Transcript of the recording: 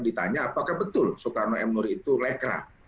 ditanya apakah betul soekarno m nur itu lekra